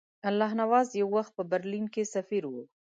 الله نواز یو وخت په برلین کې سفیر وو.